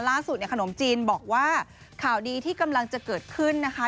ล่าสุดเนี่ยขนมจีนบอกว่าข่าวดีที่กำลังจะเกิดขึ้นนะคะ